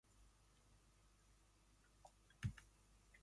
Was jy al in Engeland?